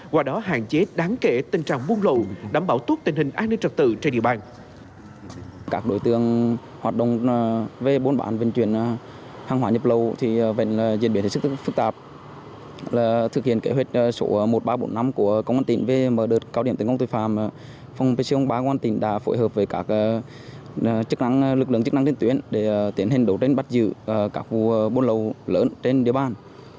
qua đó hạn chế đáng kể tình trạng buôn lậu đảm bảo tuốt tình hình an ninh trật tự trên địa bàn